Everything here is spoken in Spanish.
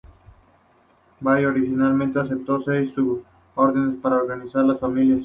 Barr originalmente aceptó seis subórdenes para organizar a las familias.